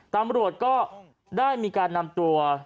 ตำรวจก็ได้มีการนำตัว